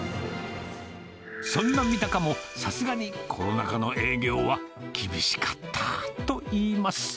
そんなみたかも、さすがにコロナ禍の営業は厳しかったといいます。